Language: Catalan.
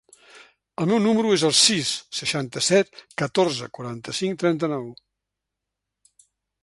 El meu número es el sis, seixanta-set, catorze, quaranta-cinc, trenta-nou.